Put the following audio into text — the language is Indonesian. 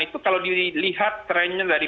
itu kalau dilihat trennya dari